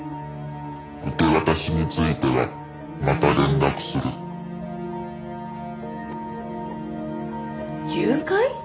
「受け渡しについてはまた連絡する」誘拐？